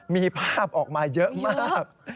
มีภาพออกมาเยอะมาก